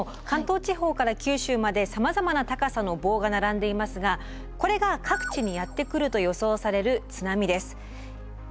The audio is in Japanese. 関東地方から九州までさまざまな高さの棒が並んでいますがこれが各地にやって来ると予想される津波です。